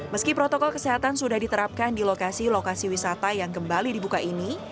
meski protokol kesehatan sudah diterapkan di lokasi lokasi wisata yang kembali dibuka ini